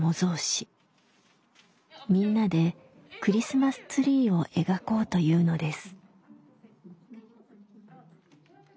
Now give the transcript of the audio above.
みんなでクリスマスツリーを描こうというのです。